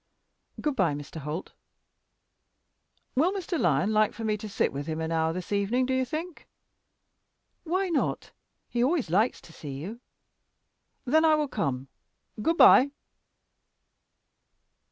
"Good bye, Mr. Holt." "Will Mr. Lyon like for me to sit with him an hour this evening, do you think?" "Why not? He always likes to see you." "Then I will come. Good bye."